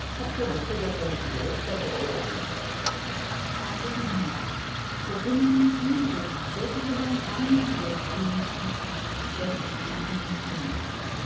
韓国軍は、国民に被害を発生させない範囲内で対応していたと釈明しています。